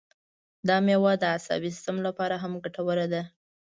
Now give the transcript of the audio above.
دا مېوه د عصبي سیستم لپاره هم ګټوره ده.